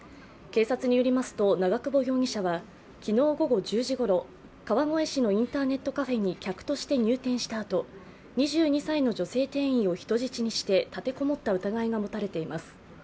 警察によりますと長久保容疑者は昨日午後１０時ごろ川越市のインターネットカフェに客として入店したあと、２２歳の女性店員を人質にして立て籠もった疑いが持たれています。